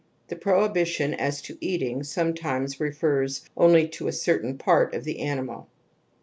The prohibition as to eating sometimes refers only to a certain part of the animal.